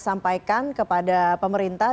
sampaikan kepada pemerintah